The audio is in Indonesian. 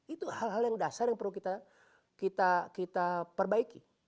itu hal hal yang dasar yang perlu kita perbaiki